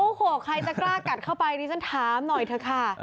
โอ้โหใครจะกล้ากัดเข้าไปดิฉันถามหน่อยเถอะค่ะ